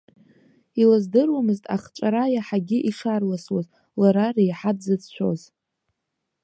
Илыздыруамызт ахҵәара иаҳагьы ишарласуаз, лара реиҳа дзыцәшәоз.